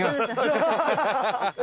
ハハハハ！